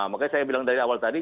makanya saya bilang dari awal tadi